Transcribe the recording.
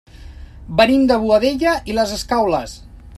Venim de Boadella i les Escaules.